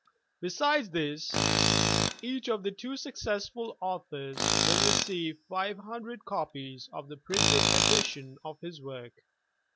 Besides this, each of the two successful authors will receive 500 copies of the printed edition of his work.